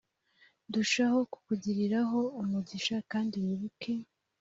ndushaho kukugiriraho umugisha kandi wibuke